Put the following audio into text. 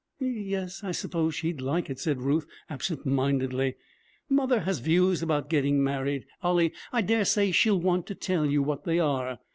Yes, I suppose she'd like it,' said Ruth, absent mindedly. 'Mother has views about getting married, Ollie. I dare say she'll want to tell you what they are.